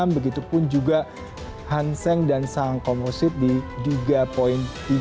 begitupun juga hanseng dan sangkong musit di tiga tiga ribu dua ratus tiga puluh dua